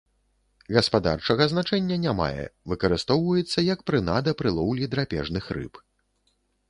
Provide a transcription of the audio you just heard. Гаспадарчага значэння не мае, выкарыстоўваецца як прынада пры лоўлі драпежных рыб.